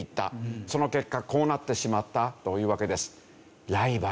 その結果こうなってしまったというわけです。